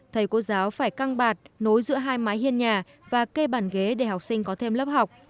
thầy cô giáo phải căng bạt nối giữa hai mái hiên nhà và kê bàn ghế để học sinh có thêm lớp học